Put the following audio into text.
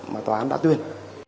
mà tòa án đã tuyên